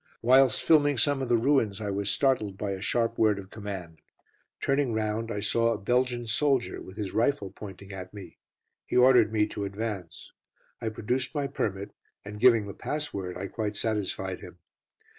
Whilst filming some of the ruins, I was startled by a sharp word of command. Turning round, I saw a Belgian soldier, with his rifle pointing at me. He ordered me to advance. I produced my permit, and giving the password, I quite satisfied him.